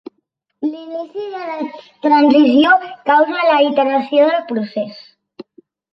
L’inici de la transició causa la iteració del procés.